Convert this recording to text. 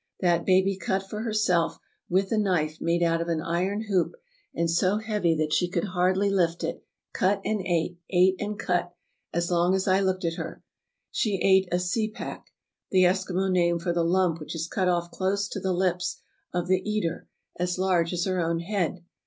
That baby cut for herself, with a knife made out of an iron hoop and so heavy that she could hardly lift it, cut and ate, ate and cut, as long as I looked at her. She ate a sipak — the Eskimo name for the lump which is cut off close to the lips [of the eater] — as large as her own head.